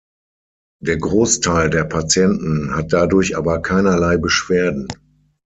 Der Großteil der Patienten hat dadurch aber keinerlei Beschwerden.